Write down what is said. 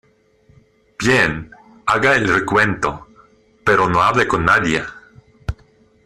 bien, haga el recuento , pero no hable con nadie.